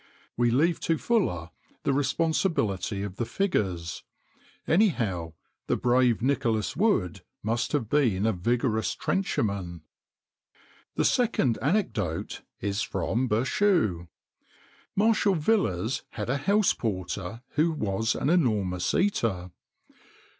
We leave to Fuller the responsibility of the figures. Any how, the brave Nicholas Wood must have been a vigorous trencher man! The second anecdote is from Berchoux: Marshal Villars had a house porter who was an enormous eater.